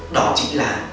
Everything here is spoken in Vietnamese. đó chính là